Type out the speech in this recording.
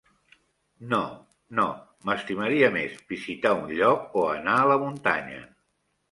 No, no, m'estimaria més visitar un lloc, o anar a la muntanya.